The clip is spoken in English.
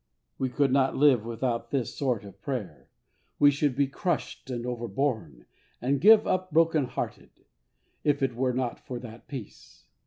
We could not live without this sort of prayer; we should be crushed and overborne, and give up broken hearted if it were not for that peace.